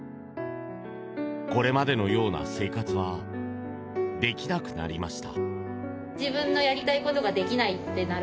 これまでのような生活はできなくなりました。